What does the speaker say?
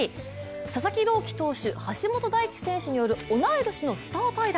佐々木朗希投手、橋本大輝選手による同い年のスター対談。